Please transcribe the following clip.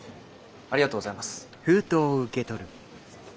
ありがとうございます。